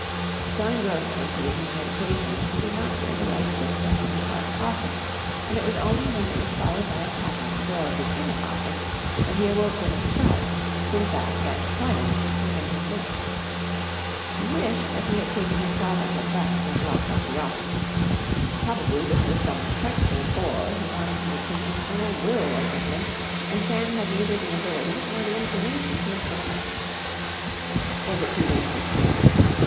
So engrossed was he in his meditation that he did not hear the light footstep in the outer office, and it was only when it was followed by a tap on the door of the inner office that he awoke with a start to the fact that clients were in his midst. He wished that he had taken his father's advice and locked up the office. Probably this was some frightful bore who wanted to make his infernal will or something, and Sam had neither the ability nor the inclination to assist him. Was it too late to escape?